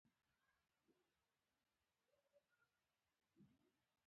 د مڼې پوستکي ویټامین لري.